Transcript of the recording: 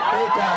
tidak ada lagi